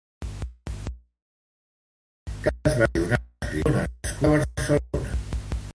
Carles Macià i Vives va ser un escriptor nascut a Barcelona.